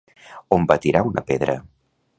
On va tirar una pedra?